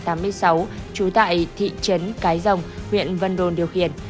trú tại thị trấn cái rồng huyện vân đồn điều khiển